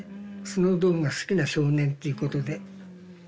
スノードームが好きな少年っていうことで。